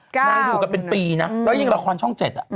นางอยู่กันเป็นปีนะแล้วยิ่งละครช่องเจ็ด